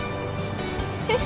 えっ？